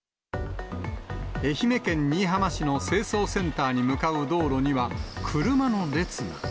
愛媛県新居浜市の清掃センターに向かう道路には、車の列が。